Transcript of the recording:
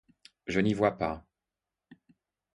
Je n’y vois pas.